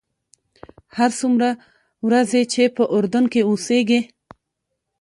هر څومره ورځې چې په اردن کې اوسېږې.